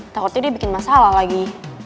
takutnya dia bikin masalah lagi